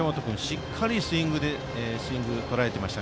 しっかりスイングをとらえていました。